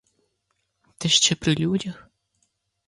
Та ще при людях.